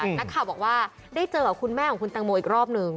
นักข่าวบอกว่าได้เจอกับคุณแม่ของคุณตังโมอีกรอบหนึ่ง